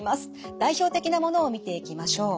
代表的なものを見ていきましょう。